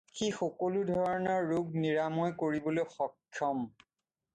যি সকলো ধৰণৰ ৰোগ নিৰাময় কৰিবলৈ সক্ষম।